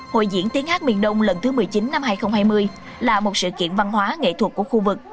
hội diễn tiếng hát miền đông lần thứ một mươi chín năm hai nghìn hai mươi là một sự kiện văn hóa nghệ thuật của khu vực